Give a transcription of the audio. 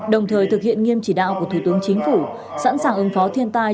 đồng thời thực hiện nghiêm chỉ đạo của thủ tướng chính phủ sẵn sàng ứng phó thiên tai